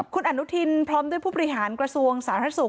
คุณอนุทินพร้อมด้วยผู้บริหารกระทรวงสาธารณสุข